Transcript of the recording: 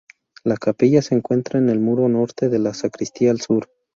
La capilla se encuentra en el muro norte y la sacristía al sur.